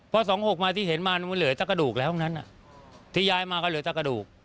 พอ๒๖มาที่เห็นมามันเหลือแต่กระดูกแล้วนั้นที่ย้ายมาก็เหลือแต่กระดูก